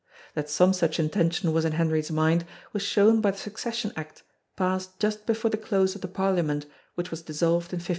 That some such intention was in Henry's mind was shown by the Succession Act passed just before the close of the Parliament which was dissolved in 1536.